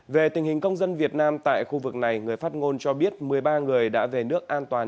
về tình hình công dân việt nam tại khu vực này người phát ngôn cho biết một mươi ba người đã về nước an toàn